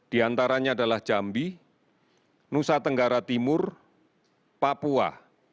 di antaranya adalah jambi nusa tenggara timur papua